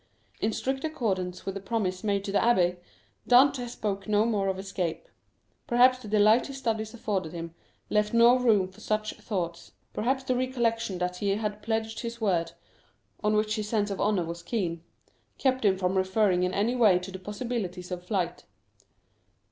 In strict accordance with the promise made to the abbé, Dantès spoke no more of escape. Perhaps the delight his studies afforded him left no room for such thoughts; perhaps the recollection that he had pledged his word (on which his sense of honor was keen) kept him from referring in any way to the possibilities of flight.